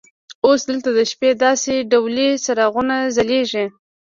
اوس دلته د شپې داسې ډولي څراغونه ځلیږي.